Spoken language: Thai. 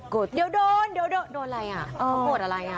เดี๋ยวโดนเดี๋ยวโดนอะไรอ่ะเขาโกรธอะไรอ่ะ